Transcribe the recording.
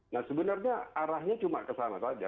nah sebenarnya arahnya cuma ke sana saja